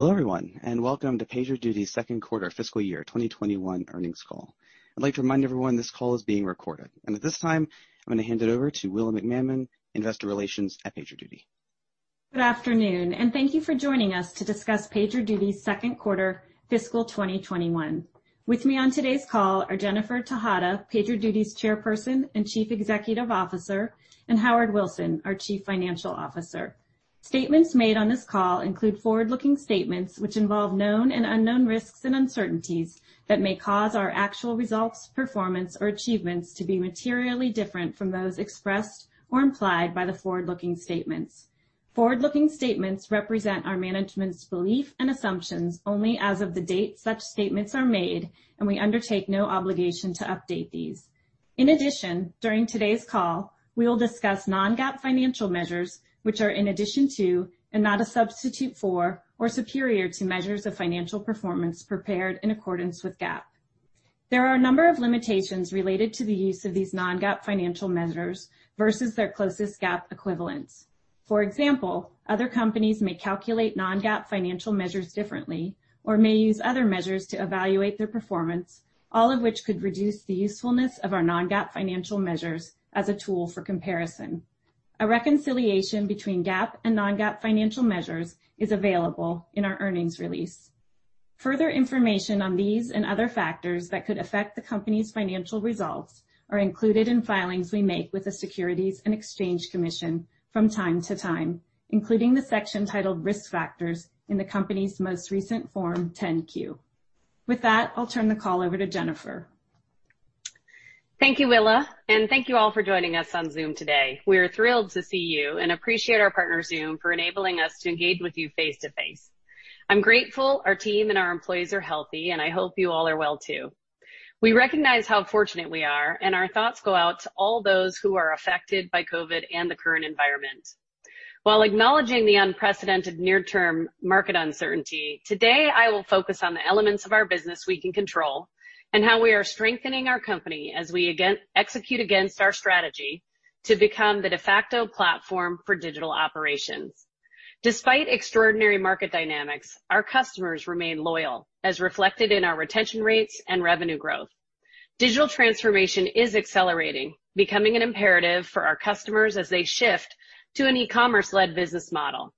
Hello, everyone, welcome to PagerDuty's second quarter fiscal year 2021 earnings call. I'd like to remind everyone this call is being recorded. At this time, I'm going to hand it over to Willa McManmon, Investor Relations at PagerDuty. Good afternoon, and thank you for joining us to discuss PagerDuty's second quarter fiscal 2021. With me on today's call are Jennifer Tejada, PagerDuty's Chairperson and Chief Executive Officer, and Howard Wilson, our Chief Financial Officer. Statements made on this call include forward-looking statements which involve known and unknown risks and uncertainties that may cause our actual results, performance, or achievements to be materially different from those expressed or implied by the forward-looking statements. Forward-looking statements represent our management's belief and assumptions only as of the date such statements are made, and we undertake no obligation to update these. In addition, during today's call, we will discuss non-GAAP financial measures, which are in addition to and not a substitute for or superior to measures of financial performance prepared in accordance with GAAP. There are a number of limitations related to the use of these non-GAAP financial measures versus their closest GAAP equivalents. For example, other companies may calculate non-GAAP financial measures differently or may use other measures to evaluate their performance, all of which could reduce the usefulness of our non-GAAP financial measures as a tool for comparison. A reconciliation between GAAP and non-GAAP financial measures is available in our earnings release. Further information on these and other factors that could affect the company's financial results are included in filings we make with the Securities and Exchange Commission from time to time, including the section titled Risk Factors in the company's most recent Form 10-Q. With that, I'll turn the call over to Jennifer. Thank you, Willa, and thank you all for joining us on Zoom today. We are thrilled to see you and appreciate our partner, Zoom, for enabling us to engage with you face-to-face. I'm grateful our team and our employees are healthy, and I hope you all are well, too. We recognize how fortunate we are, and our thoughts go out to all those who are affected by COVID and the current environment. While acknowledging the unprecedented near-term market uncertainty, today I will focus on the elements of our business we can control and how we are strengthening our company as we execute against our strategy to become the de facto platform for digital operations. Despite extraordinary market dynamics, our customers remain loyal, as reflected in our retention rates and revenue growth. Digital transformation is accelerating, becoming an imperative for our customers as they shift to an e-commerce-led business model.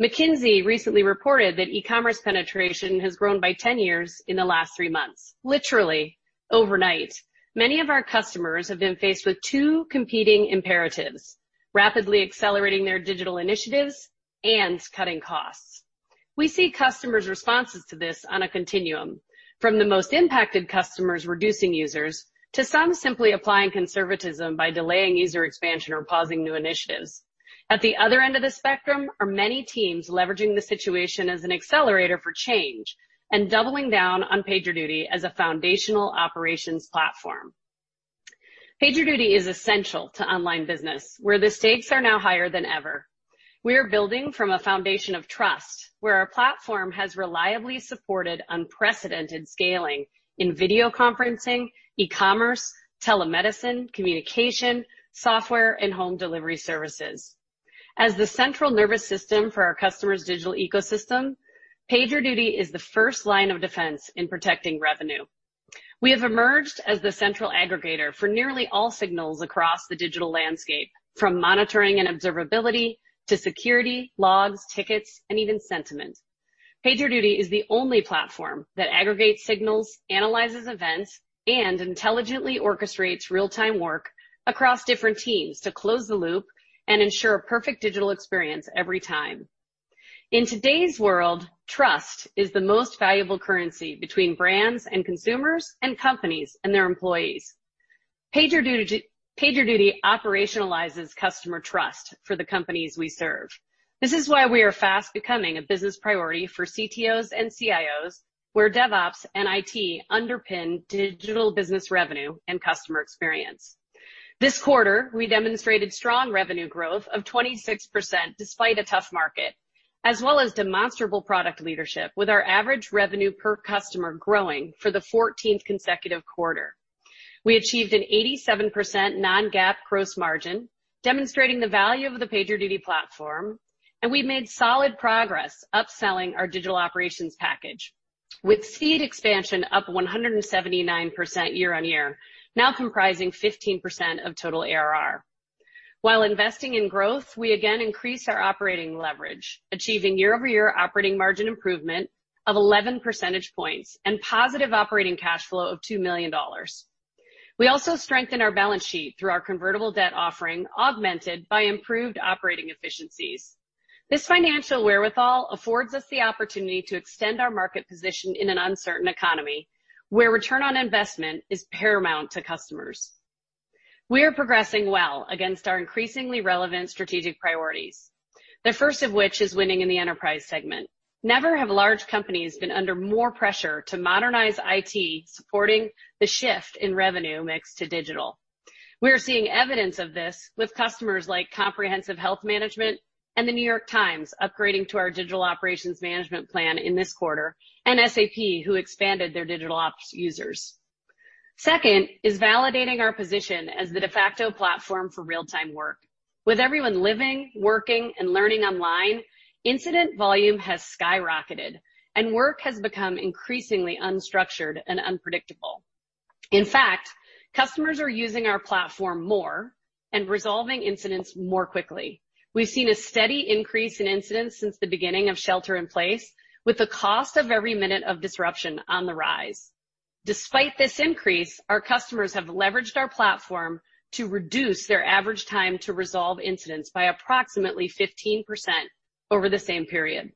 McKinsey recently reported that e-commerce penetration has grown by 10 years in the last three months. Literally overnight, many of our customers have been faced with two competing imperatives, rapidly accelerating their digital initiatives and cutting costs. We see customers' responses to this on a continuum, from the most impacted customers reducing users, to some simply applying conservatism by delaying user expansion or pausing new initiatives. At the other end of the spectrum are many teams leveraging the situation as an accelerator for change and doubling down on PagerDuty as a foundational operations platform. PagerDuty is essential to online business, where the stakes are now higher than ever. We are building from a foundation of trust, where our platform has reliably supported unprecedented scaling in video conferencing, e-commerce, telemedicine, communication, software, and home delivery services. As the central nervous system for our customers' digital ecosystem, PagerDuty is the first line of defense in protecting revenue. We have emerged as the central aggregator for nearly all signals across the digital landscape, from monitoring and observability to security, logs, tickets, and even sentiment. PagerDuty is the only platform that aggregates signals, analyzes events, and intelligently orchestrates real-time work across different teams to close the loop and ensure a perfect digital experience every time. In today's world, trust is the most valuable currency between brands and consumers, and companies and their employees. PagerDuty operationalizes customer trust for the companies we serve. This is why we are fast becoming a business priority for CTOs and CIOs, where DevOps and IT underpin digital business revenue and customer experience. This quarter, we demonstrated strong revenue growth of 26% despite a tough market, as well as demonstrable product leadership with our average revenue per customer growing for the 14th consecutive quarter. We achieved an 87% non-GAAP gross margin, demonstrating the value of the PagerDuty platform, and we made solid progress upselling our digital operations package, with seat expansion up 179% year-on-year, now comprising 15% of total ARR. While investing in growth, we again increased our operating leverage, achieving year-over-year operating margin improvement of 11 percentage points and positive operating cash flow of $2 million. We also strengthened our balance sheet through our convertible debt offering, augmented by improved operating efficiencies. This financial wherewithal affords us the opportunity to extend our market position in an uncertain economy where return on investment is paramount to customers. We are progressing well against our increasingly relevant strategic priorities, the first of which is winning in the enterprise segment. Never have large companies been under more pressure to modernize IT, supporting the shift in revenue mix to digital. We are seeing evidence of this with customers like Comprehensive Health Management and The New York Times upgrading to our digital operations management plan in this quarter, and SAP, who expanded their DigitalOps users. Second is validating our position as the de facto platform for real-time work. With everyone living, working, and learning online, incident volume has skyrocketed, and work has become increasingly unstructured and unpredictable. In fact, customers are using our platform more and resolving incidents more quickly. We've seen a steady increase in incidents since the beginning of shelter in place, with the cost of every minute of disruption on the rise. Despite this increase, our customers have leveraged our platform to reduce their average time to resolve incidents by approximately 15% over the same period.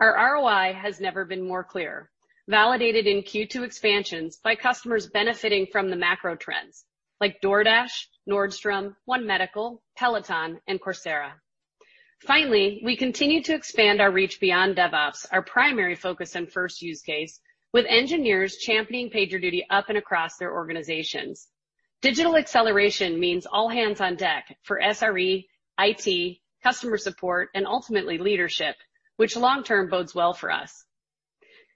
Our ROI has never been more clear, validated in Q2 expansions by customers benefiting from the macro trends, like DoorDash, Nordstrom, One Medical, Peloton, and Coursera. Finally, we continue to expand our reach beyond DevOps, our primary focus and first use case, with engineers championing PagerDuty up and across their organizations. Digital acceleration means all hands on deck for SRE, IT, customer support, and ultimately leadership, which long-term bodes well for us.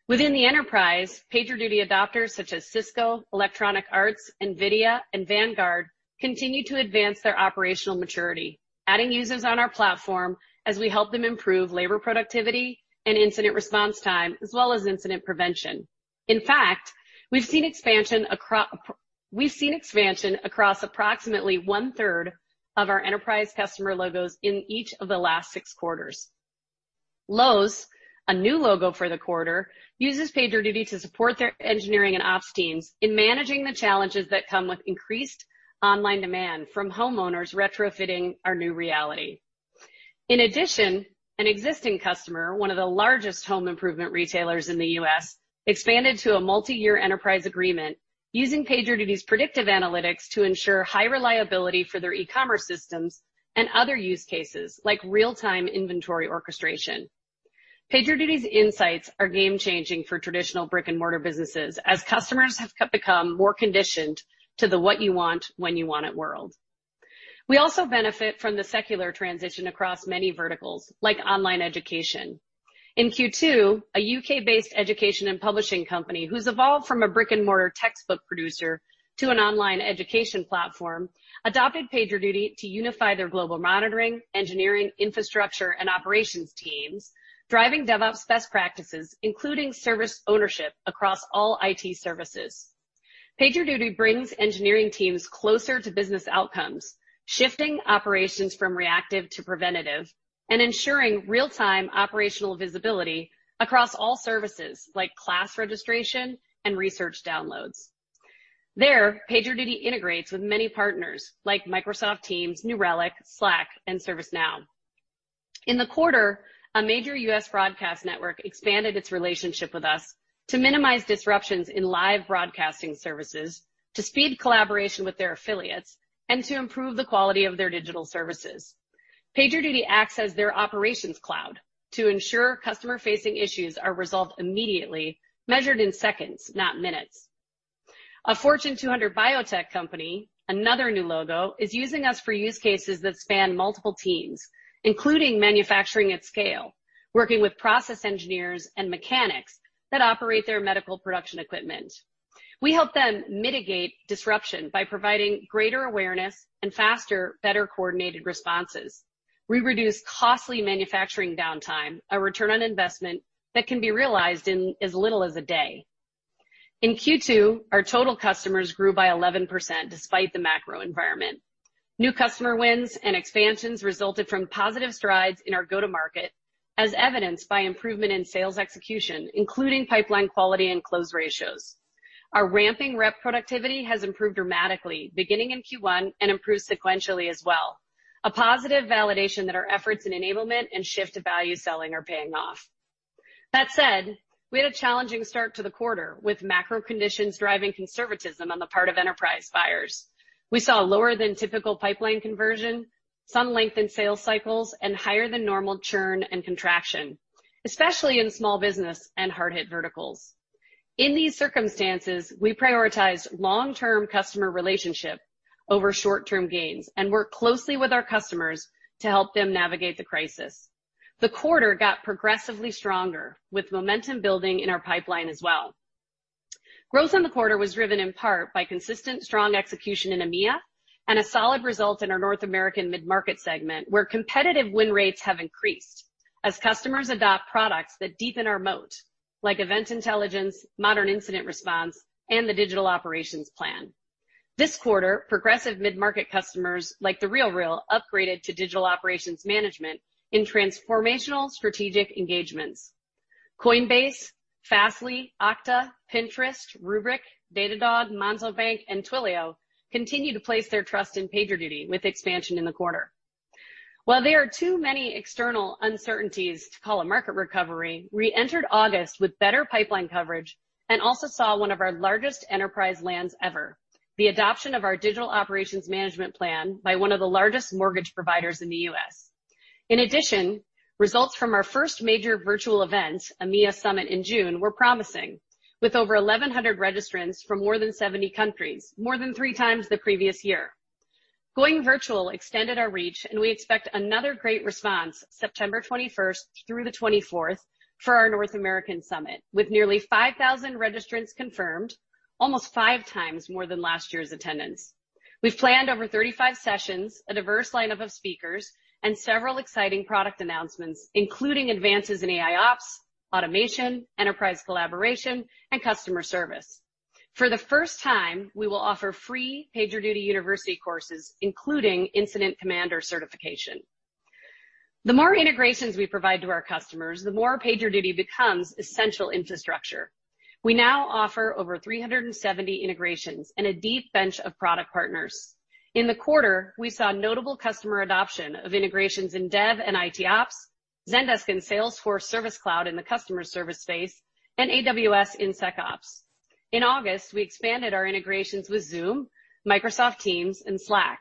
Within the enterprise, PagerDuty adopters such as Cisco, Electronic Arts, NVIDIA, and Vanguard continue to advance their operational maturity, adding users on our platform as we help them improve labor productivity and incident response time, as well as incident prevention. In fact, we've seen expansion across approximately one-third of our enterprise customer logos in each of the last six quarters. Lowe's, a new logo for the quarter, uses PagerDuty to support their engineering and ops teams in managing the challenges that come with increased online demand from homeowners retrofitting our new reality. In addition, an existing customer, one of the largest home improvement retailers in the U.S., expanded to a multi-year enterprise agreement using PagerDuty's predictive analytics to ensure high reliability for their e-commerce systems and other use cases like real-time inventory orchestration. PagerDuty's insights are game-changing for traditional brick-and-mortar businesses as customers have become more conditioned to the what you want, when you want it world. We also benefit from the secular transition across many verticals, like online education. In Q2, a U.K.-based education and publishing company who's evolved from a brick-and-mortar textbook producer to an online education platform, adopted PagerDuty to unify their global monitoring, engineering, infrastructure, and operations teams, driving DevOps best practices, including service ownership across all IT services. PagerDuty brings engineering teams closer to business outcomes, shifting operations from reactive to preventative, and ensuring real-time operational visibility across all services, like class registration and research downloads. There, PagerDuty integrates with many partners, like Microsoft Teams, New Relic, Slack, and ServiceNow. In the quarter, a major U.S. broadcast network expanded its relationship with us to minimize disruptions in live broadcasting services, to speed collaboration with their affiliates, and to improve the quality of their digital services. PagerDuty acts as their operations cloud to ensure customer-facing issues are resolved immediately, measured in seconds, not minutes. A Fortune 200 biotech company, another new logo, is using us for use cases that span multiple teams, including manufacturing at scale, working with process engineers and mechanics that operate their medical production equipment. We help them mitigate disruption by providing greater awareness and faster, better coordinated responses. We reduce costly manufacturing downtime, a return on investment that can be realized in as little as a day. In Q2, our total customers grew by 11% despite the macro environment. New customer wins and expansions resulted from positive strides in our go-to-market, as evidenced by improvement in sales execution, including pipeline quality and close ratios. Our ramping rep productivity has improved dramatically beginning in Q1 and improved sequentially as well. A positive validation that our efforts in enablement and shift to value selling are paying off. That said, we had a challenging start to the quarter with macro conditions driving conservatism on the part of enterprise buyers. We saw a lower than typical pipeline conversion, some lengthened sales cycles, and higher than normal churn and contraction, especially in small business and hard-hit verticals. In these circumstances, we prioritized long-term customer relationship over short-term gains and worked closely with our customers to help them navigate the crisis. The quarter got progressively stronger with momentum building in our pipeline as well. Growth in the quarter was driven in part by consistent strong execution in EMEA and a solid result in our North American mid-market segment, where competitive win rates have increased as customers adopt products that deepen our moat, like Event Intelligence, modern incident response, and the digital operations plan. This quarter, progressive mid-market customers like The RealReal upgraded to digital operations management in transformational strategic engagements. Coinbase, Fastly, Okta, Pinterest, Rubrik, Datadog, Monzo Bank, and Twilio continue to place their trust in PagerDuty with expansion in the quarter. There are too many external uncertainties to call a market recovery. We entered August with better pipeline coverage and also saw one of our largest enterprise lands ever, the adoption of our digital operations management plan by one of the largest mortgage providers in the U.S. In addition, results from our first major virtual event, EMEA Summit in June, were promising, with over 1,100 registrants from more than 70 countries, more than three times the previous year. Going virtual extended our reach, and we expect another great response September 21st through the 24th for our North American Summit, with nearly 5,000 registrants confirmed, almost five times more than last year's attendance. We've planned over 35 sessions, a diverse lineup of speakers, and several exciting product announcements, including advances in AIOps, automation, enterprise collaboration, and customer service. For the first time, we will offer free PagerDuty University courses, including Incident Commander Certification. The more integrations we provide to our customers, the more PagerDuty becomes essential infrastructure. We now offer over 370 integrations and a deep bench of product partners. In the quarter, we saw notable customer adoption of integrations in Dev and ITOps, Zendesk and Salesforce Service Cloud in the customer service space, and AWS in SecOps. In August, we expanded our integrations with Zoom, Microsoft Teams, and Slack.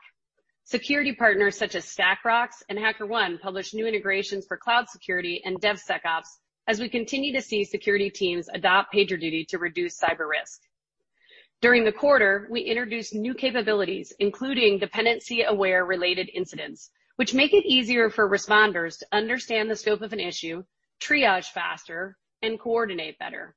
Security partners such as StackRox and HackerOne published new integrations for cloud security and DevSecOps as we continue to see security teams adopt PagerDuty to reduce cyber risk. During the quarter, we introduced new capabilities, including dependency-aware related incidents, which make it easier for responders to understand the scope of an issue, triage faster, and coordinate better.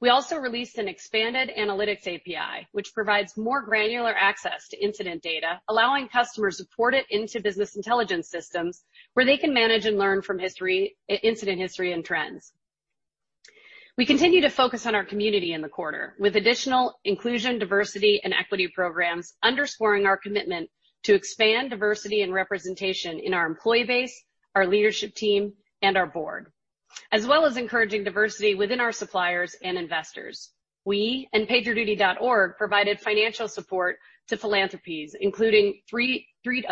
We also released an expanded analytics API, which provides more granular access to incident data, allowing customers to port it into business intelligence systems where they can manage and learn from incident history and trends. We continue to focus on our community in the quarter with additional inclusion, diversity, and equity programs, underscoring our commitment to expand diversity and representation in our employee base, our leadership team, and our board, as well as encouraging diversity within our suppliers and investors. We, and PagerDuty.org, provided financial support to philanthropies, including a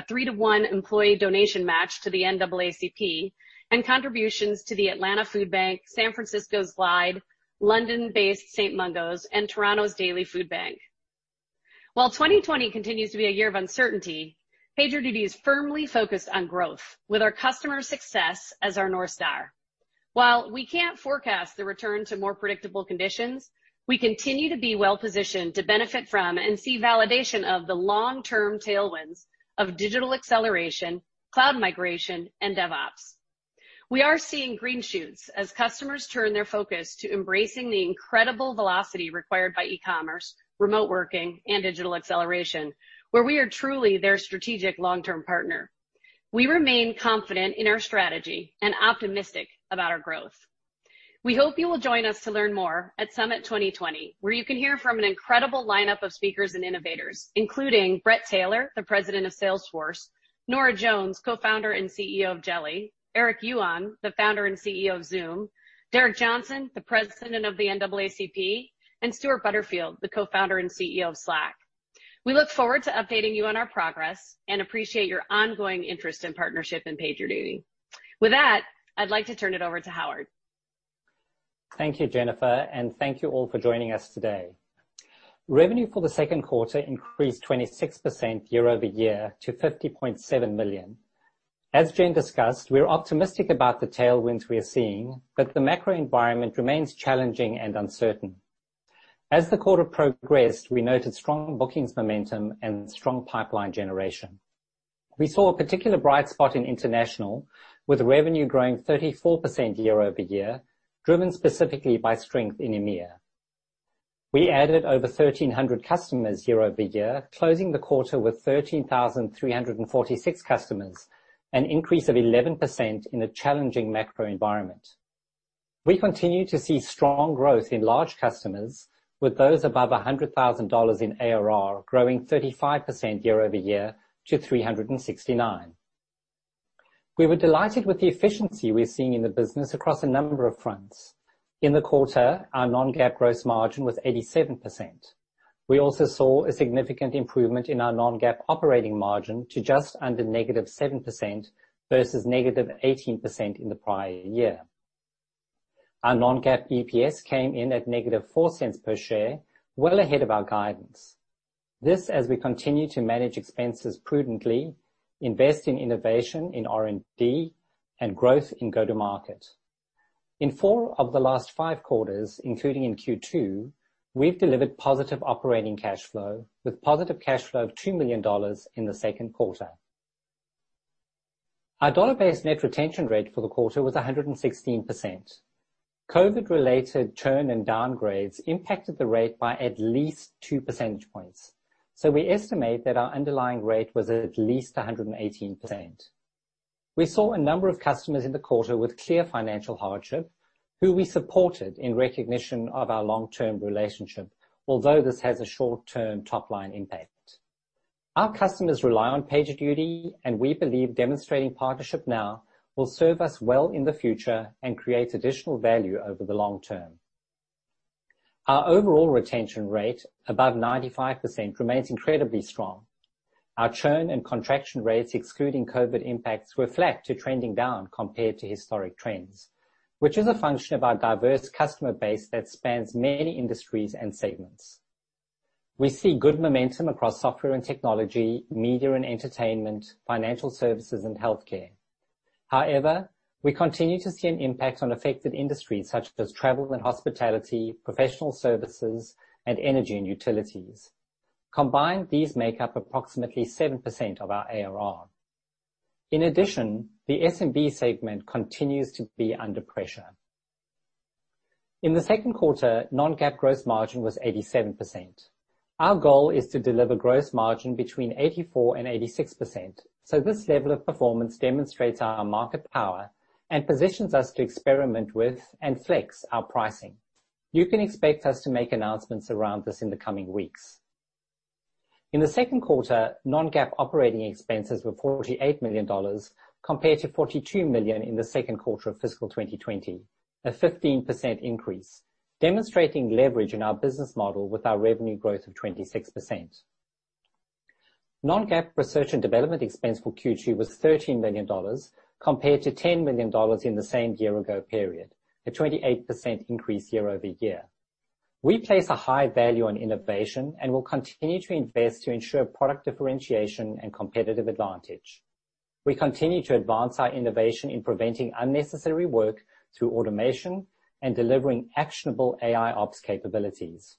three-to-one employee donation match to the NAACP, and contributions to the Atlanta Food Bank, San Francisco's Glide, London-based St Mungo's, and Toronto's Daily Food Bank. While 2020 continues to be a year of uncertainty, PagerDuty is firmly focused on growth with our customer success as our North Star. While we can't forecast the return to more predictable conditions, we continue to be well-positioned to benefit from and see validation of the long-term tailwinds of digital acceleration, cloud migration, and DevOps. We are seeing green shoots as customers turn their focus to embracing the incredible velocity required by e-commerce, remote working, and digital acceleration, where we are truly their strategic long-term partner. We remain confident in our strategy and optimistic about our growth. We hope you will join us to learn more at Summit 2020, where you can hear from an incredible lineup of speakers and innovators, including Bret Taylor, the President of Salesforce, Nora Jones, Co-founder and CEO of Jeli, Eric Yuan, the Founder and CEO of Zoom, Derrick Johnson, the President of the NAACP, and Stewart Butterfield, the Co-founder and CEO of Slack. We look forward to updating you on our progress and appreciate your ongoing interest and partnership in PagerDuty. With that, I'd like to turn it over to Howard. Thank you, Jennifer, and thank you all for joining us today. Revenue for the second quarter increased 26% year-over-year to $50.7 million. As Jen discussed, we're optimistic about the tailwinds we are seeing, but the macro environment remains challenging and uncertain. As the quarter progressed, we noted strong bookings momentum and strong pipeline generation. We saw a particular bright spot in international, with revenue growing 34% year-over-year, driven specifically by strength in EMEA. We added over 1,300 customers year-over-year, closing the quarter with 13,346 customers, an increase of 11% in a challenging macro environment. We continue to see strong growth in large customers, with those above $100,000 in ARR growing 35% year-over-year to $369,000. We were delighted with the efficiency we're seeing in the business across a number of fronts. In the quarter, our non-GAAP gross margin was 87%. We also saw a significant improvement in our non-GAAP operating margin to just under -7% versus -18% in the prior year. Our non-GAAP EPS came in at -$0.04 per share, well ahead of our guidance. This as we continue to manage expenses prudently, invest in innovation in R&D, and growth in go-to-market. In four of the last five quarters, including in Q2, we've delivered positive operating cash flow, with positive cash flow of $2 million in the second quarter. Our dollar-based net retention rate for the quarter was 116%. COVID-related churn and downgrades impacted the rate by at least two percentage points. We estimate that our underlying rate was at least 118%. We saw a number of customers in the quarter with clear financial hardship who we supported in recognition of our long-term relationship, although this has a short-term top-line impact. Our customers rely on PagerDuty. We believe demonstrating partnership now will serve us well in the future and create additional value over the long term. Our overall retention rate above 95% remains incredibly strong. Our churn and contraction rates, excluding COVID impacts, reflect a trending down compared to historic trends, which is a function of our diverse customer base that spans many industries and segments. We see good momentum across software and technology, media and entertainment, financial services, and healthcare. However, we continue to see an impact on affected industries such as travel and hospitality, professional services, and energy and utilities. Combined, these make up approximately 7% of our ARR. In addition, the SMB segment continues to be under pressure. In the second quarter, non-GAAP gross margin was 87%. Our goal is to deliver gross margin between 84%-86%. This level of performance demonstrates our market power and positions us to experiment with and flex our pricing. You can expect us to make announcements around this in the coming weeks. In the second quarter, non-GAAP operating expenses were $48 million compared to $42 million in the second quarter of fiscal 2020, a 15% increase, demonstrating leverage in our business model with our revenue growth of 26%. Non-GAAP research and development expense for Q2 was $13 million compared to $10 million in the same year-ago period, a 28% increase year-over-year. We place a high value on innovation and will continue to invest to ensure product differentiation and competitive advantage. We continue to advance our innovation in preventing unnecessary work through automation and delivering actionable AIOps capabilities.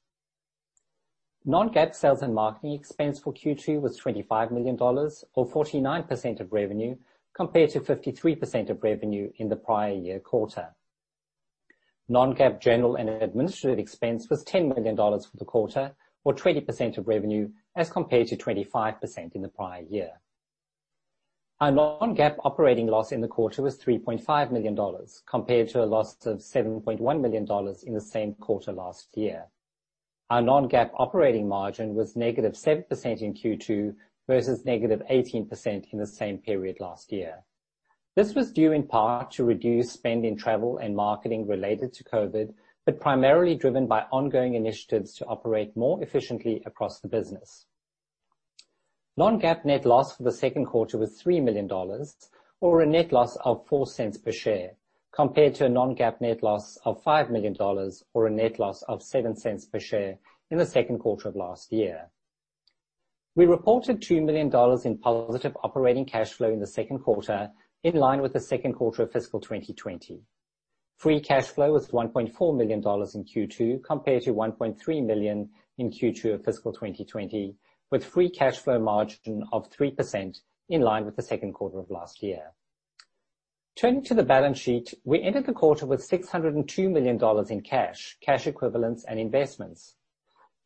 Non-GAAP sales and marketing expense for Q2 was $25 million, or 49% of revenue, compared to 53% of revenue in the prior year quarter. Non-GAAP general and administrative expense was $10 million for the quarter, or 20% of revenue, as compared to 25% in the prior year. Our non-GAAP operating loss in the quarter was $3.5 million, compared to a loss of $7.1 million in the same quarter last year. Our non-GAAP operating margin was -7% in Q2 versus -18% in the same period last year. This was due in part to reduced spend in travel and marketing related to COVID, but primarily driven by ongoing initiatives to operate more efficiently across the business. Non-GAAP net loss for the second quarter was $3 million, or a net loss of $0.04 per share, compared to a non-GAAP net loss of $5 million or a net loss of $0.07 per share in the second quarter of last year. We reported $2 million in positive operating cash flow in the second quarter, in line with the second quarter of fiscal 2020. Free cash flow was $1.4 million in Q2 compared to $1.3 million in Q2 of fiscal 2020, with free cash flow margin of 3% in line with the second quarter of last year. Turning to the balance sheet, we ended the quarter with $602 million in cash, cash equivalents, and investments.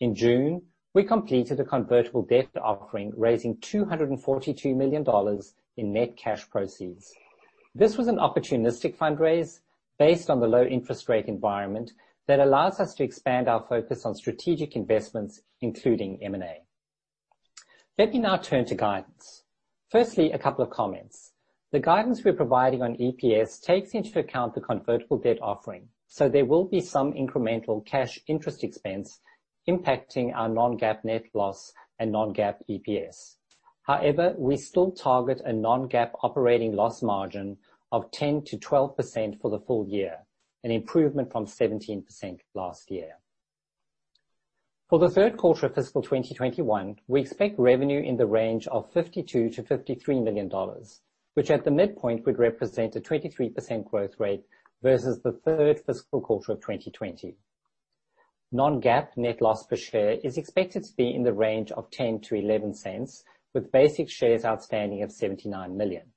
In June, we completed a convertible debt offering, raising $242 million in net cash proceeds. This was an opportunistic fundraise based on the low-interest-rate environment that allows us to expand our focus on strategic investments, including M&A. Let me now turn to guidance. Firstly, a couple of comments. The guidance we're providing on EPS takes into account the convertible debt offering, so there will be some incremental cash interest expense impacting our non-GAAP net loss and non-GAAP EPS. However, we still target a non-GAAP operating loss margin of 10%-12% for the full year, an improvement from 17% last year. For the third quarter of fiscal 2021, we expect revenue in the range of $52 million-$53 million, which at the midpoint would represent a 23% growth rate versus the third fiscal quarter of 2020. Non-GAAP net loss per share is expected to be in the range of $0.10-$0.11, with basic shares outstanding of $79 million.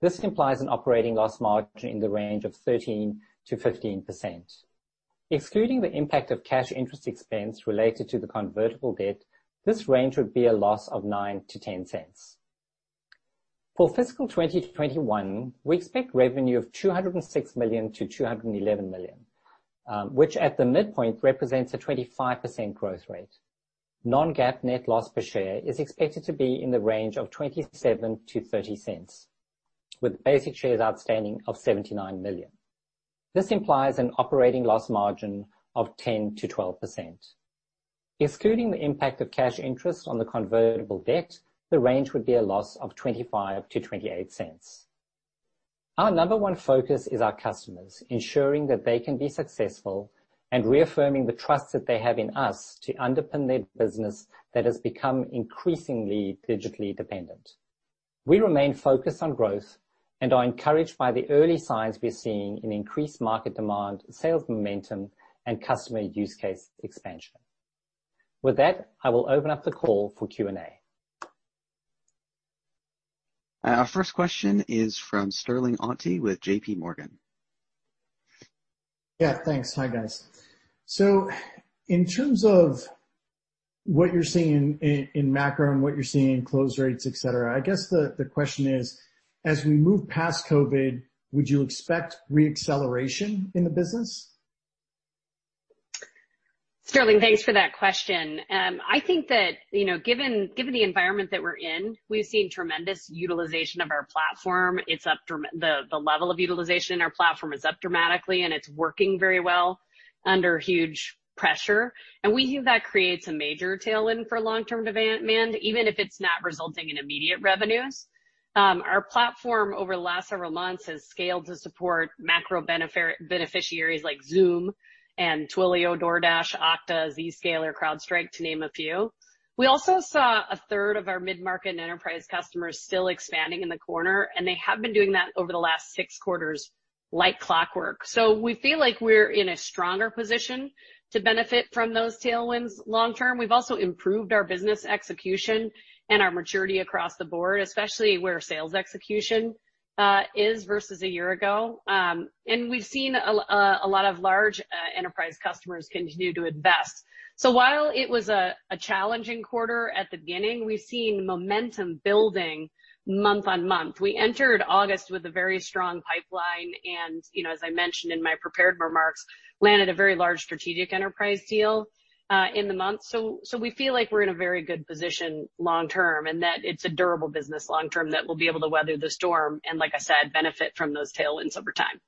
This implies an operating loss margin in the range of 13%-15%. Excluding the impact of cash interest expense related to the convertible debt, this range would be a loss of $0.09-$0.10. For fiscal 2021, we expect revenue of $206 million-$211 million, which at the midpoint represents a 25% growth rate. Non-GAAP net loss per share is expected to be in the range of $0.27-$0.30, with basic shares outstanding of $79 million. This implies an operating loss margin of 10%-12%. Excluding the impact of cash interest on the convertible debt, the range would be a loss of $0.25-$0.28. Our number one focus is our customers, ensuring that they can be successful in reaffirming the trust that they have in us to underpin their business that has become increasingly digitally dependent. We remain focused on growth and are encouraged by the early signs we're seeing in increased market demand, sales momentum, and customer use case expansion. With that, I will open up the call for Q&A. Our first question is from Sterling Auty with JPMorgan. Yeah, thanks. Hi, guys. In terms of what you're seeing in macro and what you're seeing in close rates, et cetera, I guess the question is, as we move past COVID, would you expect re-acceleration in the business? Sterling, thanks for that question. I think that given the environment that we're in, we've seen tremendous utilization of our platform. The level of utilization in our platform is up dramatically, and it's working very well under huge pressure. We think that creates a major tailwind for long-term demand, even if it's not resulting in immediate revenues. Our platform over the last several months has scaled to support macro beneficiaries like Zoom and Twilio, DoorDash, Okta, Zscaler, CrowdStrike, to name a few. We also saw a third of our mid-market and enterprise customers still expanding in the quarter, and they have been doing that over the last six quarters, like clockwork. We feel like we're in a stronger position to benefit from those tailwinds long term. We've also improved our business execution and our maturity across the board, especially where sales execution is versus a year ago. We've seen a lot of large enterprise customers continue to invest. While it was a challenging quarter at the beginning, we've seen momentum building month on month. We entered August with a very strong pipeline, and as I mentioned in my prepared remarks, landed a very large strategic enterprise deal in the month. We feel like we're in a very good position long term, and that it's a durable business long term that will be able to weather the storm and, like I said, benefit from those tailwinds over time.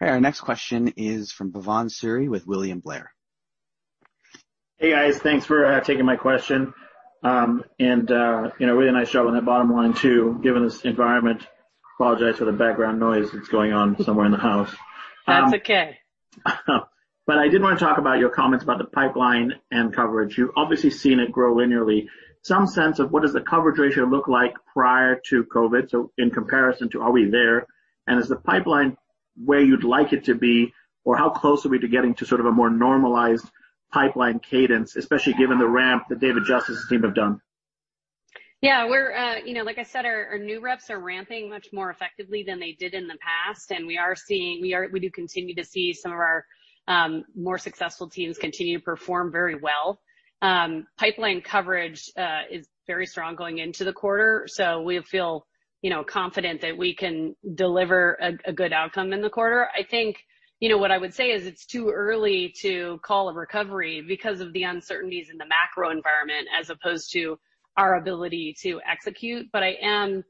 Our next question is from Bhavan Suri with William Blair. Hey, guys. Thanks for taking my question. Really nice job on that bottom line, too, given this environment. Apologize for the background noise that's going on somewhere in the house. That's okay. I did want to talk about your comments about the pipeline and coverage. You've obviously seen it grow linearly. Some sense of what does the coverage ratio look like prior to COVID? In comparison to are we there, and is the pipeline where you'd like it to be, or how close are we to getting to sort of a more normalized pipeline cadence, especially given the ramp that Dave Justice's team have done? Yeah. Like I said, our new reps are ramping much more effectively than they did in the past, and we do continue to see some of our more successful teams continue to perform very well. Pipeline coverage is very strong going into the quarter, we feel confident that we can deliver a good outcome in the quarter. I think what I would say is it's too early to call a recovery because of the uncertainties in the macro environment as opposed to our ability to execute. I am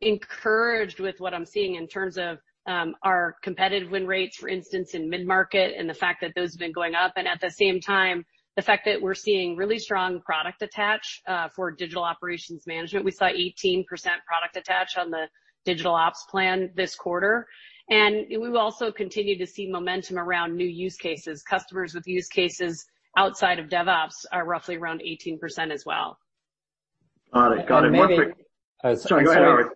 encouraged with what I'm seeing in terms of our competitive win rates, for instance, in mid-market, and the fact that those have been going up. At the same time, the fact that we're seeing really strong product attach for digital operations management. We saw 18% product attach on the Digital Ops plan this quarter. We've also continued to see momentum around new use cases. Customers with use cases outside of DevOps are roughly around 18% as well. Got it. And maybe- Sorry, go ahead, Howard.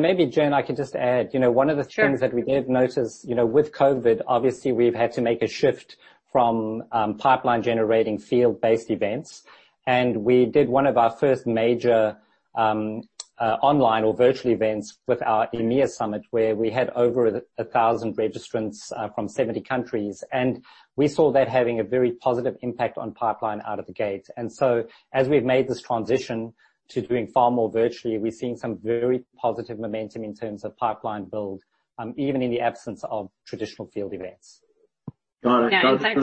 Maybe, Jen, I can just add. One of the things that we did notice with COVID, obviously, we've had to make a shift from pipeline-generating field-based events. We did one of our first major online or virtual events with our EMEA Summit, where we had over 1,000 registrants from 70 countries. We saw that having a very positive impact on pipeline out of the gate. As we've made this transition to doing far more virtually, we're seeing some very positive momentum in terms of pipeline build, even in the absence of traditional field events. Got it. Yeah. In fact,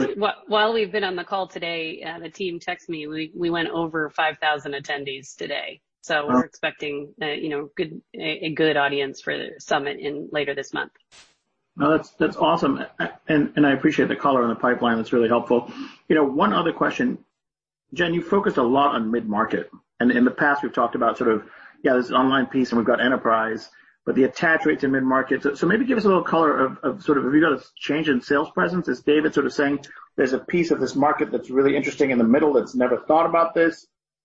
while we've been on the call today, the team texted me. We went over 5,000 attendees today, so we're expecting a good audience for the summit later this month. No, that's awesome. I appreciate the color on the pipeline. That's really helpful. One other question. Jen, you focused a lot on mid-market. In the past, we've talked about sort of, yeah, there's an online piece, and we've got enterprise, but the attach rate to mid-market. Maybe give us a little color of sort of have you got a change in sales presence? Is David sort of saying there's a piece of this market that's really interesting in the middle that's never thought about this?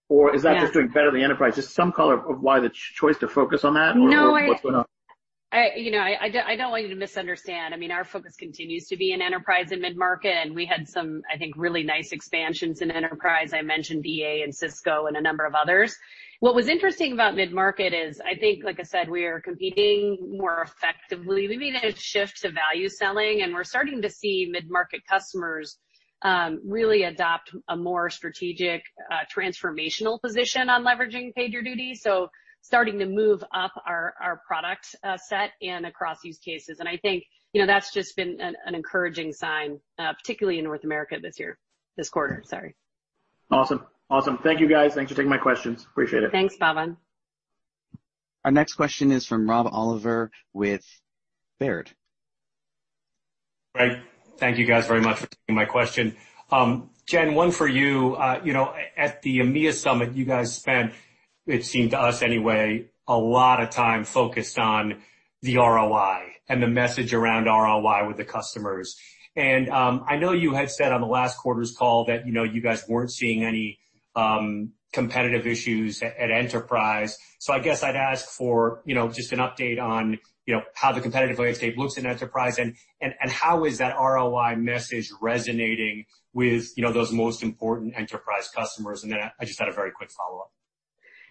Yeah Or is that doing better the enterprise? Just some color of why the choice to focus on that or what's going on. No. I don't want you to misunderstand. I mean, our focus continues to be in enterprise and mid-market, and we had some, I think, really nice expansions in enterprise. I mentioned Verizon and Cisco and a number of others. What was interesting about mid-market is, I think, like I said, we are competing more effectively. We made a shift to value selling, and we're starting to see mid-market customers really adopt a more strategic transformational position on leveraging PagerDuty, so starting to move up our product set and across use cases. I think that's just been an encouraging sign, particularly in North America this year. This quarter, sorry. Awesome. Thank you, guys. Thanks for taking my questions. Appreciate it. Thanks, Bhavan. Our next question is from Rob Oliver with Baird. Great. Thank you guys very much for taking my question. Jen, one for you. At the EMEA summit, you guys spent, it seemed to us anyway, a lot of time focused on the ROI and the message around ROI with the customers. I know you had said on the last quarter's call that you guys weren't seeing any competitive issues at enterprise. I guess I'd ask for just an update on how the competitive landscape looks in enterprise, and how is that ROI message resonating with those most important enterprise customers? Then I just had a very quick follow-up.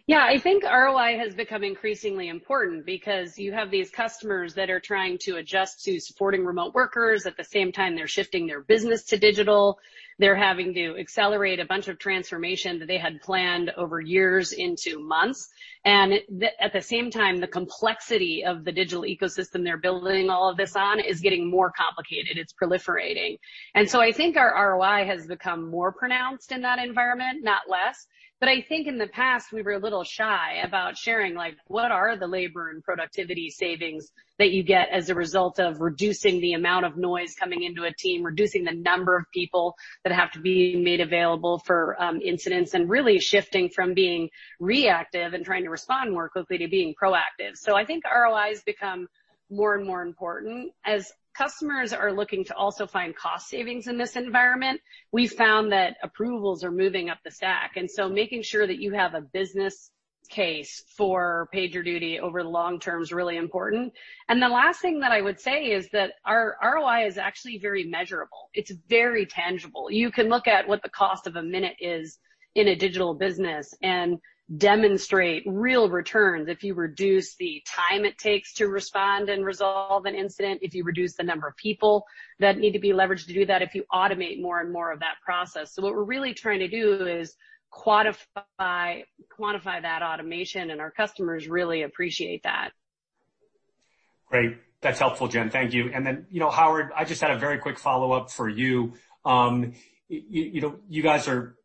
Yeah, I think ROI has become increasingly important because you have these customers that are trying to adjust to supporting remote workers. At the same time, they're shifting their business to digital. They're having to accelerate a bunch of transformation that they had planned over years into months. At the same time, the complexity of the digital ecosystem they're building all of this on is getting more complicated. It's proliferating. I think our ROI has become more pronounced in that environment, not less. I think in the past, we were a little shy about sharing, like, what are the labor and productivity savings that you get as a result of reducing the amount of noise coming into a team, reducing the number of people that have to be made available for incidents, and really shifting from being reactive and trying to respond more quickly to being proactive. I think ROI has become more and more important. As customers are looking to also find cost savings in this environment, we've found that approvals are moving up the stack. Making sure that you have a business case for PagerDuty over the long term is really important. The last thing that I would say is that our ROI is actually very measurable. It's very tangible. You can look at what the cost of a minute is in a digital business and demonstrate real returns if you reduce the time it takes to respond and resolve an incident, if you reduce the number of people that need to be leveraged to do that, if you automate more and more of that process. What we're really trying to do is quantify that automation, and our customers really appreciate that. Great. That's helpful, Jen. Thank you. Howard, I just had a very quick follow-up for you. You guys are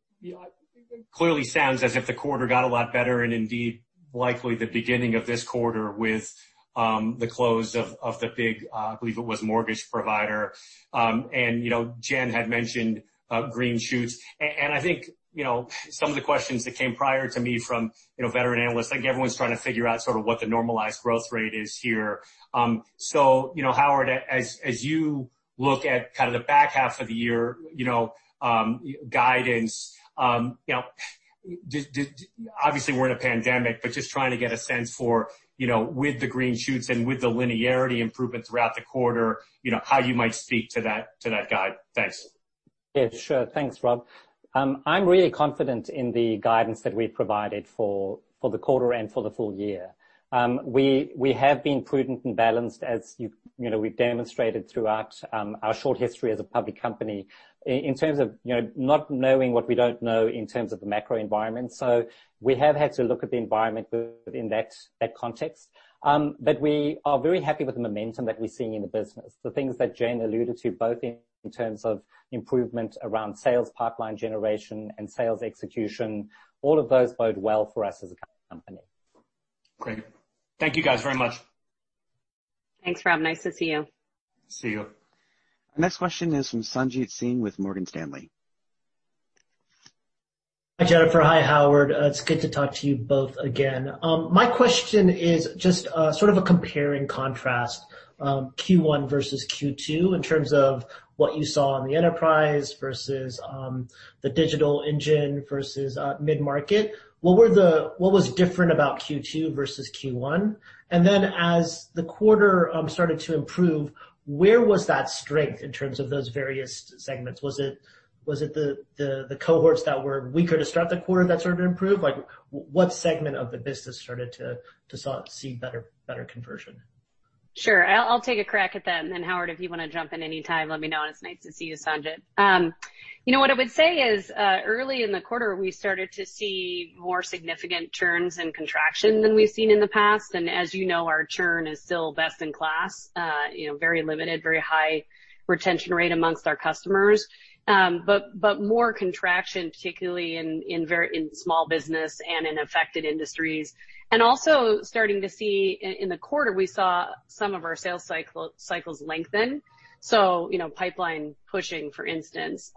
clearly sounds as if the quarter got a lot better, and indeed, likely the beginning of this quarter with the close of the big, I believe it was mortgage provider. Jen had mentioned green shoots. I think some of the questions that came prior to me from veteran analysts, I think everyone's trying to figure out sort of what the normalized growth rate is here. Howard, as you look at kind of the back half of the year, guidance, obviously, we're in a pandemic, but just trying to get a sense for with the green shoots and with the linearity improvement throughout the quarter, how you might speak to that guide. Thanks. Yeah, sure. Thanks, Rob. I'm really confident in the guidance that we've provided for the quarter and for the full year. We have been prudent and balanced, as we've demonstrated throughout our short history as a public company, in terms of not knowing what we don't know in terms of the macro environment. We have had to look at the environment within that context. We are very happy with the momentum that we're seeing in the business. The things that Jen alluded to, both in terms of improvement around sales pipeline generation and sales execution, all of those bode well for us as a company. Great. Thank you guys very much. Thanks, Rob. Nice to see you. See you. Our next question is from Sanjit Singh with Morgan Stanley. Hi, Jennifer. Hi, Howard. It's good to talk to you both again. My question is just sort of a compare and contrast Q1 versus Q2 in terms of what you saw on the enterprise versus the digital engine, versus the mid-market. What was different about Q2 versus Q1? As the quarter started to improve, where was that strength in terms of those various segments? Was it the cohorts that were weaker to start the quarter that sort of improved? Like, what segment of the business started to see better conversion? Sure. I'll take a crack at that. Howard, if you wanna jump in anytime, let me know. It's nice to see you, Sanjit. What I would say is early in the quarter, we started to see more significant churn and contraction than we've seen in the past. As you know, our churn is still best in class, very limited, very high retention rate amongst our customers. More contraction, particularly in small business and in affected industries. Starting to see in the quarter, we saw some of our sales cycles lengthen. Pipeline pushing, for instance.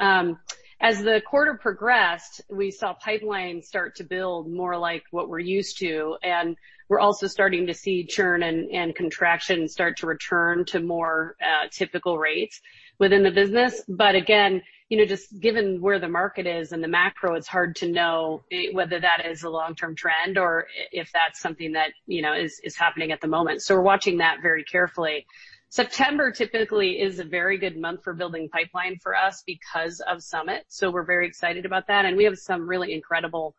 As the quarter progressed, we saw the pipeline start to build more like what we're used to, and we're also starting to see churn and contraction start to return to more typical rates within the business. Again, just given where the market is and the macro, it's hard to know whether that is a long-term trend or if that's something that is happening at the moment. We're watching that very carefully. September typically is a very good month for building pipeline for us because of Summit. We are very excited about that. We have some really incredible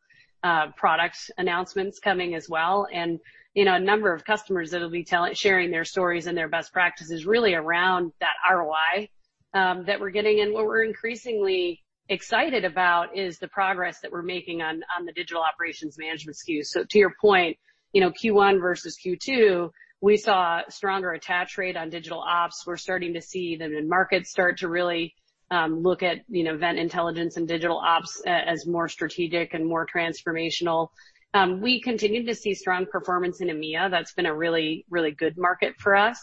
product announcements coming as well. A number of customers that'll be sharing their stories and their best practices really around that ROI that we're getting. What we're increasingly excited about is the progress that we're making on the digital operations management SKUs. To your point, Q1 versus Q2, we saw stronger attach rate on DigitalOps. We're starting to see the mid-markets start to really look at Event Intelligence and DigitalOps as more strategic and more transformational. We continued to see strong performance in EMEA. That's been a really good market for us.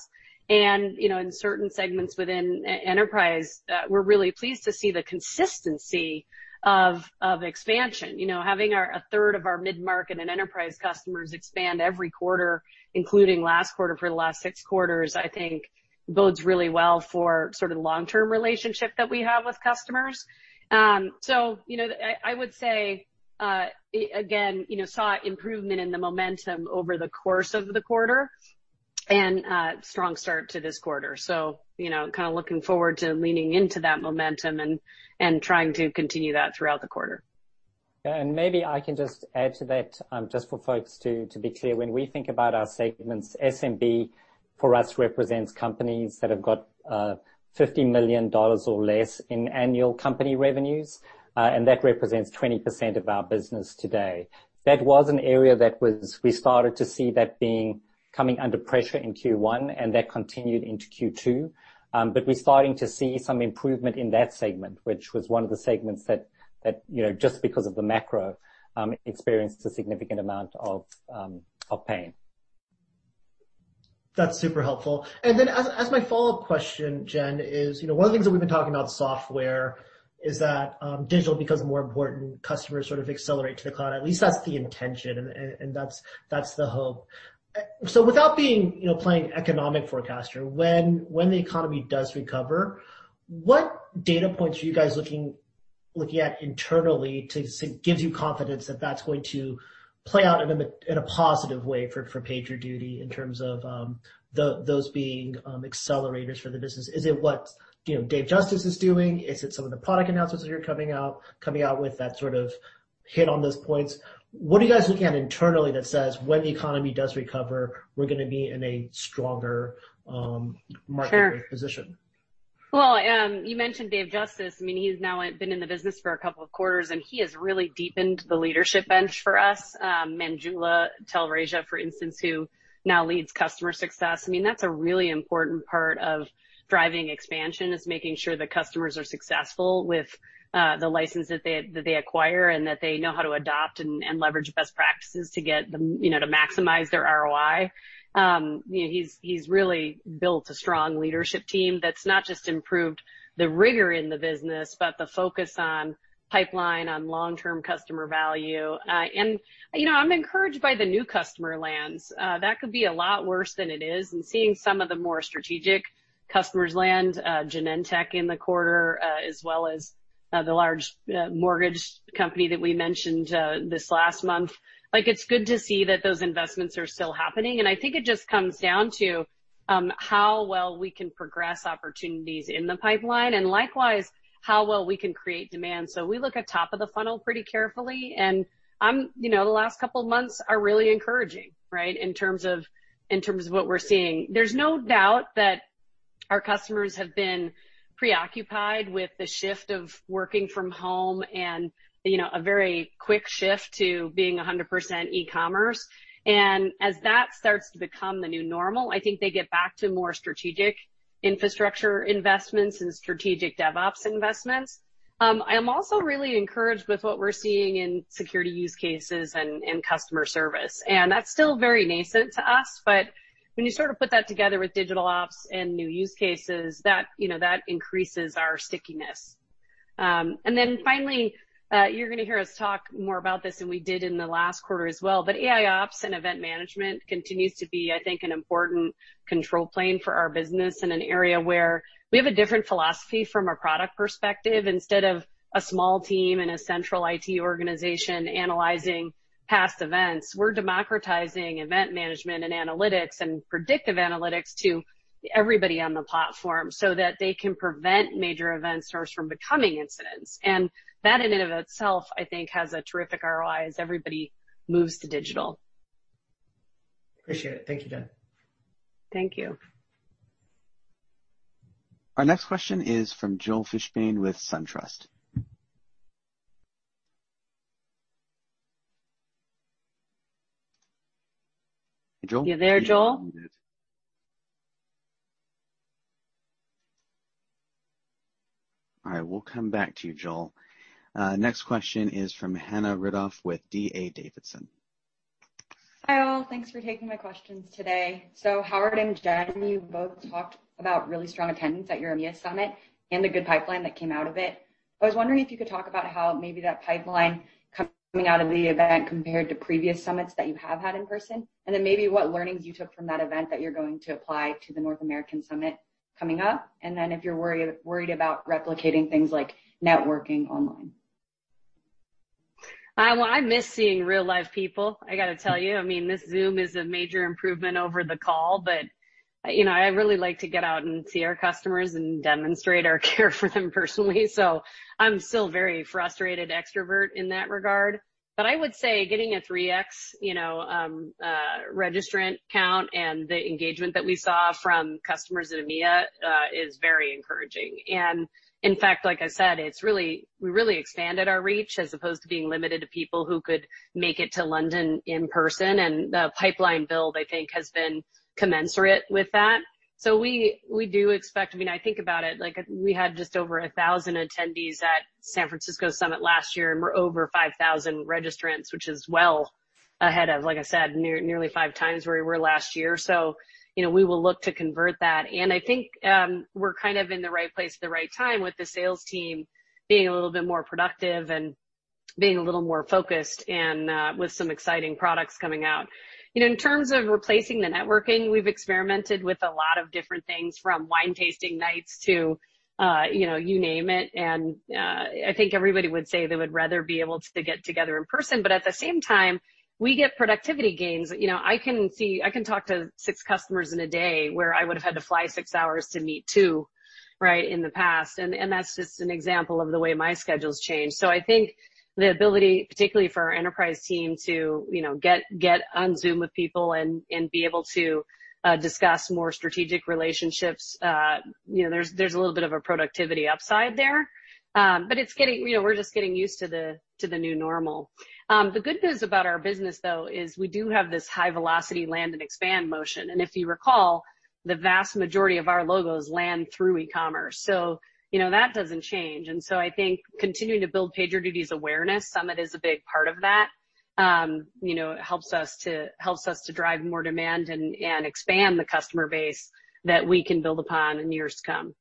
In certain segments within enterprise, we're really pleased to see the consistency of expansion. Having a third of our mid-market and enterprise customers expand every quarter, including last quarter for the last six quarters, I think bodes really well for sort of the long-term relationship that we have with customers. I would say, again, saw improvement in the momentum over the course of the quarter and a strong start to this quarter. Looking forward to leaning into that momentum and trying to continue that throughout the quarter. Yeah. Maybe I can just add to that, just for folks to be clear. When we think about our segments, SMB for us represents companies that have got $50 million or less in annual company revenues. That represents 20% of our business today. That was an area that we started to see that being coming under pressure in Q1, and that continued into Q2. We're starting to see some improvement in that segment, which was one of the segments that just because of the macro, experienced a significant amount of pain. That's super helpful. As my follow-up question, Jen, is one of the things that we've been talking about software is that digital becomes more important, customers sort of accelerate to the cloud. At least that's the intention, and that's the hope. Without playing economic forecaster, when the economy does recover, what data points are you guys looking at internally to gives you confidence that that's going to play out in a positive way for PagerDuty in terms of those being accelerators for the business. Is it what Dave Justice is doing? Is it some of the product announcements that are coming out with that sort of hit on those points? What are you guys looking at internally that says when the economy does recover, we're going to be in a stronger market? Sure position? Well, you mentioned Dave Justice. He's now been in the business for a couple of quarters, and he has really deepened the leadership bench for us. Manjula Talreja, for instance, who now leads customer success. That's a really important part of driving expansion, is making sure that customers are successful with the license that they acquire and that they know how to adopt and leverage best practices to maximize their ROI. He's really built a strong leadership team that's not just improved the rigor in the business, but the focus on pipeline, on long-term customer value. I'm encouraged by the new customer lands. That could be a lot worse than it is. Seeing some of the more strategic customers land, Genentech in the quarter, as well as the large mortgage company that we mentioned this last month. It's good to see that those investments are still happening. I think it just comes down to how well we can progress opportunities in the pipeline, likewise, how well we can create demand. We look at top of the funnel pretty carefully. The last couple of months are really encouraging in terms of what we're seeing. There's no doubt that our customers have been preoccupied with the shift of working from home and a very quick shift to being 100% e-commerce. As that starts to become the new normal, I think they get back to more strategic infrastructure investments and strategic DevOps investments. I'm also really encouraged with what we're seeing in security use cases and customer service. That's still very nascent to us. When you sort of put that together with DigitalOps and new use cases, that increases our stickiness. Then finally, you're going to hear us talk more about this than we did in the last quarter as well, but AIOps and event management continues to be, I think, an important control plane for our business in an area where we have a different philosophy from a product perspective. Instead of a small team and a central IT organization analyzing past events, we're democratizing event management, and analytics, and predictive analytics to everybody on the platform so that they can prevent major events first from becoming incidents. That, in and of itself, I think, has a terrific ROI as everybody moves to digital. Appreciate it. Thank you, Jen. Thank you. Our next question is from Joel Fishbein with SunTrust. Hey, Joel? You there, Joel? All right, we'll come back to you, Joel. Next question is from Hannah Rudoff with D.A. Davidson. Hi, all. Thanks for taking my questions today. Howard and Jen, you both talked about really strong attendance at your EMEA Summit and the good pipeline that came out of it. I was wondering if you could talk about how maybe that pipeline coming out of the event compared to previous Summits that you have had in person, and then maybe what learnings you took from that event that you're going to apply to the North American Summit coming up, and then if you're worried about replicating things like networking online. I miss seeing real live people, I've got to tell you. This Zoom is a major improvement over the call, I really like to get out and see our customers and demonstrate our care for them personally. I'm still a very frustrated extrovert in that regard. I would say getting a 3X registrant count and the engagement that we saw from customers at EMEA is very encouraging. In fact, like I said, we really expanded our reach as opposed to being limited to people who could make it to London in person. The pipeline build, I think, has been commensurate with that. We do expect, I think about it like we had just over 1,000 attendees at San Francisco Summit last year, and we're over 5,000 registrants, which is well ahead of, like I said, nearly five times where we were last year. We will look to convert that. I think we're kind of in the right place at the right time with the sales team being a little bit more productive and being a little more focused, and with some exciting products coming out. In terms of replacing the networking, we've experimented with a lot of different things, from wine tasting nights to you name it, and I think everybody would say they would rather be able to get together in person. At the same time, we get productivity gains. I can talk to six customers in a day, where I would have had to fly six hours to meet two in the past. That's just an example of the way my schedule's changed. I think the ability, particularly for our enterprise team, to get on Zoom with people and be able to discuss more strategic relationships. There's a little bit of a productivity upside there. We're just getting used to the new normal. The good news about our business, though, is we do have this high velocity land and expand motion, and if you recall, the vast majority of our logos land through e-commerce. That doesn't change. I think continuing to build PagerDuty's awareness Summit is a big part of that. It helps us to drive more demand and expand the customer base that we can build upon in years to come.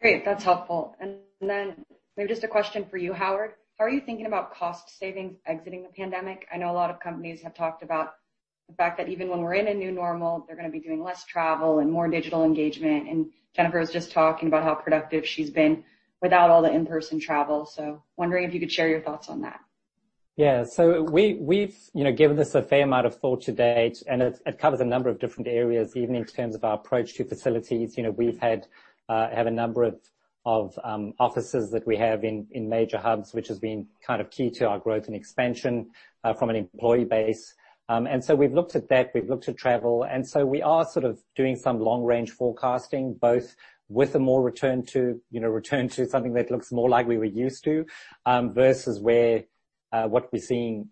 Great. That's helpful. Maybe just a question for you, Howard. How are you thinking about cost savings exiting the pandemic? I know a lot of companies have talked about the fact that even when we're in a new normal, they're going to be doing less travel and more digital engagement. Jennifer was just talking about how productive she's been without all the in-person travel. Wondering if you could share your thoughts on that. Yeah. We've given this a fair amount of thought to date, and it covers a number of different areas, even in terms of our approach to facilities. We've had a number of offices that we have in major hubs, which has been kind of key to our growth and expansion, from an an employee base. We've looked at that, we've looked at travel, we are sort of doing some long-range forecasting, both with a more return to something that looks more like we were used to, versus what we're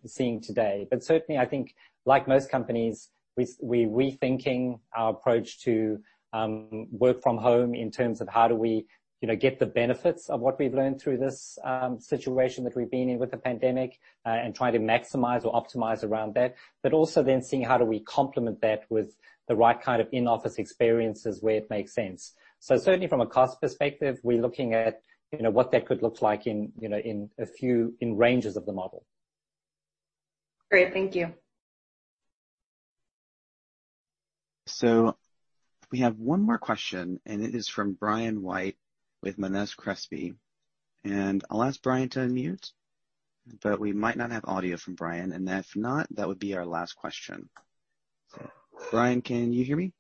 seeing today. Certainly, I think, like most companies, we're rethinking our approach to work from home in terms of how do we get the benefits of what we've learned through this situation that we've been in with the pandemic, and try to maximize or optimize around that. Also then seeing how do we complement that with the right kind of in-office experiences where it makes sense. Certainly from a cost perspective, we're looking at what that could look like in ranges of the model. Great. Thank you. We have one more question, and it is from Brian White with Monness Crespi. I'll ask Brian to unmute, but we might not have audio from Brian. If not, that would be our last question. Brian, can you hear me?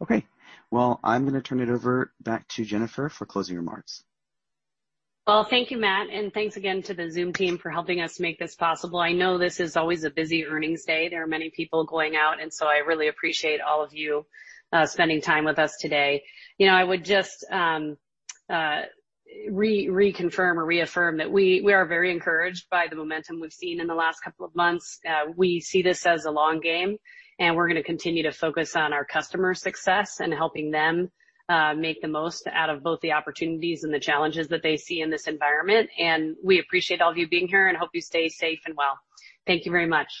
Okay. Well, I'm going to turn it over back to Jennifer for closing remarks. Well, thank you, Matt, and thanks again to the Zoom team for helping us make this possible. I know this is always a busy earnings day. There are many people going out. I really appreciate all of you spending time with us today. I would just reconfirm or reaffirm that we are very encouraged by the momentum we've seen in the last couple of months. We see this as a long game, and we're going to continue to focus on our customer success and helping them make the most out of both the opportunities and the challenges that they see in this environment. We appreciate all of you being here and hope you stay safe and well. Thank you very much.